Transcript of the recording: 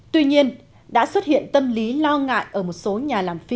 tuy nhiên đã xuất hiện tâm lý lo ngại ở một số nhà lãnh